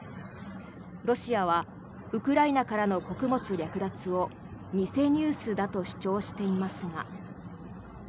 ロシアはウクライナからの穀物略奪を偽ニュースだと主張していますが。